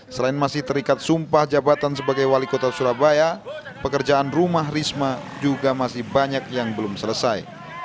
selain masih terikat sumpah jabatan sebagai wali kota surabaya pekerjaan rumah risma juga masih banyak yang belum selesai